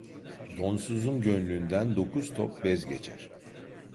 Donsuzun gönlünden dokuz top bez geçer.